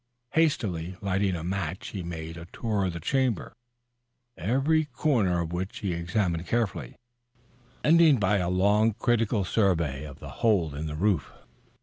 Hastily lighting a match he made a tour of the chamber, every corner of which he examined carefully, ending by a long, critical survey of the hole in the roof.